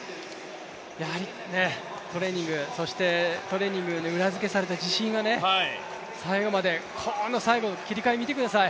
トレーニング、そしてトレーニングに裏付けされた自信が最後まで、この最後の切り替え見てください。